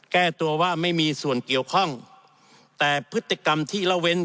แก้ตัวว่าไม่มีส่วนเกี่ยวข้องแต่พฤติกรรมที่ละเว้น